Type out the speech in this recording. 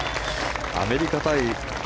アメリカ対